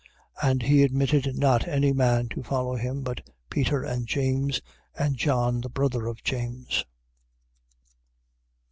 5:37. And he admitted not any man to follow him, but Peter, and James, and John the brother of James.